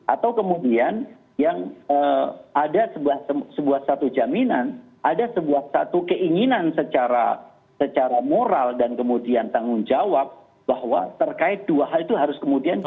atau kemudian yang ada sebuah satu jaminan ada sebuah satu keinginan secara moral dan kemudian tanggung jawab bahwa terkait dua hal itu harus kemudian